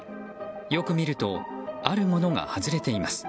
よく見るとあるものが外れています。